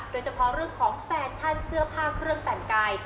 โดยเฉพาะเรื่องของแฟชั่นเสื้อผ้าเครื่องแต่งกาย